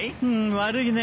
悪いね。